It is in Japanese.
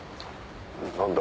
何だ？